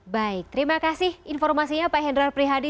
baik terima kasih informasinya pak hendral prihadi